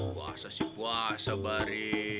puasa sih puasa bari